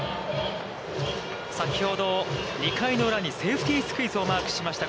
先ほど、２回裏にセーフティースクイズをマークしました